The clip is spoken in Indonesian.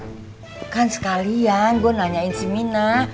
bukan sekalian gue nanyain si mina